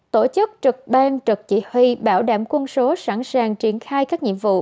tổ chức trực ban trực chỉ huy bảo đảm quân số sẵn sàng triển khai các nhiệm vụ